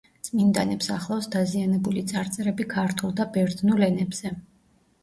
წმინდანებს ახლავს დაზიანებული წარწერები ქართულ და ბერძნულ ენებზე.